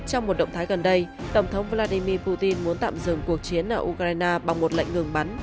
trong một động thái gần đây tổng thống vladimir putin muốn tạm dừng cuộc chiến ở ukraine bằng một lệnh ngừng bắn